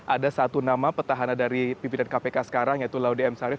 ada satu nama petahana dari pimpinan kpk sekarang yaitu laudem sarif